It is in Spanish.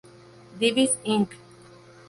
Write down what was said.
Divx Inc.